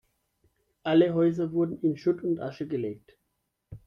Alle Häuser wurden in Schutt und Asche gelegt.